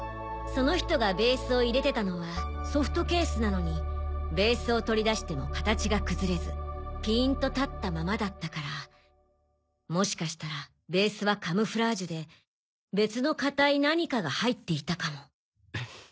その人がベースを入れてたのはソフトケースなのにベースを取り出しても形が崩れずピーンと立ったままだったからもしかしたらベースはカムフラージュで別の硬い何かが入っていたかも。